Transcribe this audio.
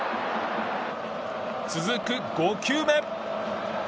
続く５球目。